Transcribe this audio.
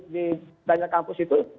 di banyak kampus itu